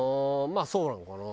まあそうなのかな。